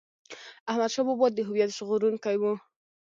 احمد شاه بابا د هویت ژغورونکی و.